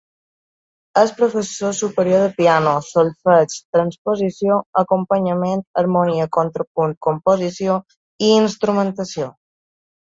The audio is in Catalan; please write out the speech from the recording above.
És professor superior de piano, solfeig, transposició, acompanyament, harmonia, contrapunt, composició i instrumentació.